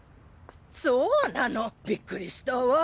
そうなのびっくりしたわ。